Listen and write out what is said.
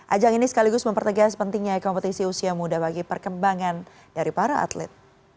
ajang ini sekaligus mempertegas pentingnya kompetisi usia muda bagi perkembangan dari para atlet